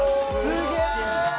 すげえ！